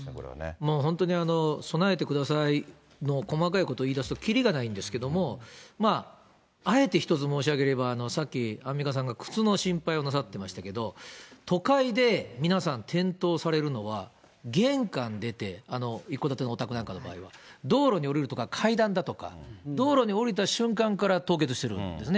もう本当に備えてくださいの細かいこと言いだすと、切りがないんですけれども、まああえて１つ申し上げれば、さっきアンミカさんが靴の心配をなさってましたけど、都会で皆さん、転倒されるのは、玄関出て、一戸建てのお宅なんかの場合は、道路におりるとか階段だとか、道路に下りた瞬間から凍結してるんですね。